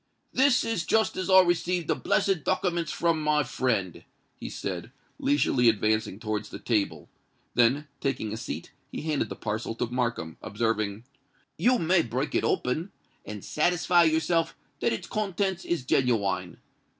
"This is just as I received the blessed dokiments from my friend," he said, leisurely advancing towards the table: then, taking a seat, he handed the parcel to Markham, observing, "You may break it open, and satisfy yourself that its contents is geniwine.